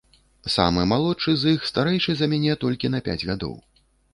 Самы малодшы з іх старэйшы за мяне толькі на пяць гадоў.